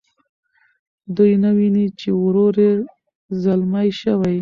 دوی نه ویني چې ورور یې ځلمی شوی.